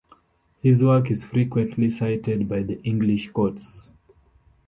His work is frequently cited by the English courts.